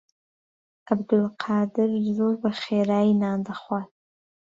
عەبدولقادر زۆر بەخێرایی نان دەخوات.